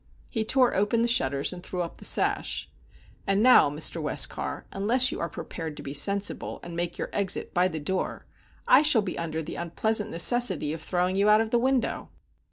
He tore open the shutters, and threw up the sash. "And now, Mr. Westcar, unless you are prepared to be sensible, and make your exit by the door, I shall be under the unpleasant necessity of throwing you out of the window."